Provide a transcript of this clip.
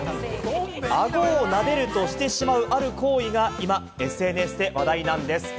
顎をなでるとしてしまうある行為が今ＳＮＳで話題なんです。